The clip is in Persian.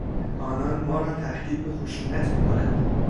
آنان ما را تهدید به خشونت میکنند.